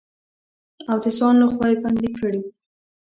او د ځان لخوا يې بندې کړي.